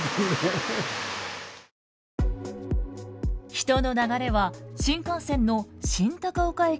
人の流れは新幹線の新高岡駅周辺に。